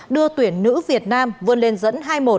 đưa tuyển nữ việt nam vươn lên dẫn hai một